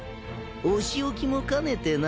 お仕置きも兼ねてな。